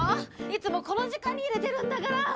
いつもこの時間に家出てるんだから。